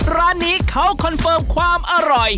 ร้านนี้เขาคอนเฟิร์มความอร่อย